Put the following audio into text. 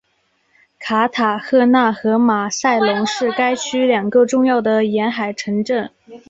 卡塔赫纳和马萨龙是该区两个重要的沿海城镇。